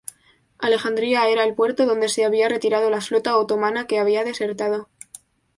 Alejandría era el puerto donde se había retirado la flota otomana que había desertado.